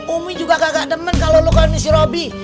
umi juga kagak demen kalau lu kagak nisi robi